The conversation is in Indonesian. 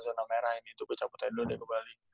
senang merah ini tuh gue caputin dulu deh ke bali